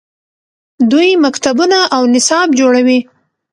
دوی مکتبونه او نصاب جوړوي.